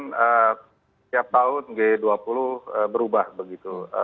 setiap tahun g dua puluh berubah begitu